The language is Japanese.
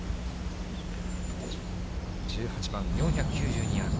１８番４９２ヤード。